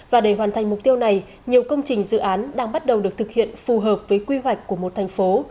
và để hoàn thành mục tiêu này nhiều công trình dự án đang bắt đầu được thực hiện phù hợp với quy hoạch của một thành phố